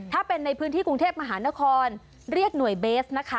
ถ้าเป็นในพื้นที่กรุงเทพมหานครเรียกหน่วยเบสนะคะ